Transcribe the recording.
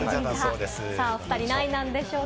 おふたりは何位なんでしょうか？